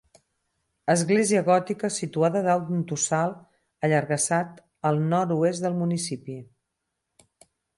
Església gòtica situada dalt d'un tossal allargassat al nord-oest del municipi.